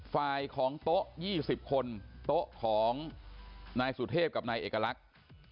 ฝ่ายของโต๊ะ๒๐คนโต๊ะของนายสุเทพกับนายเอกลักษณ์